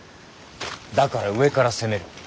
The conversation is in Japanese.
だから上から攻める。